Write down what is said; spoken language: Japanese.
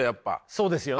そうですよね。